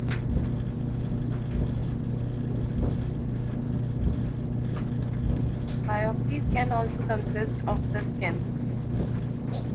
Biopsies can also consist of the skin.